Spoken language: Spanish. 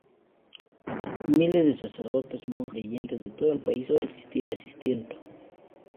Miles de sacerdotes, monjas y creyentes de todo el país asistieron al evento.